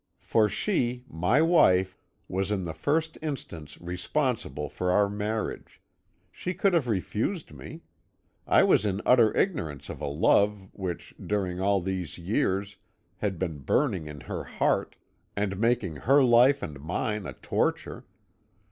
For she, my wife, was in the first instance responsible for our marriage; she could have refused me. I was in utter ignorance of a love which, during all these years, had been burning in her heart, and making her life and mine a torture.